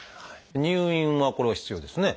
入院がこれは必要ですね。